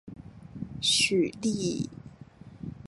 许力以。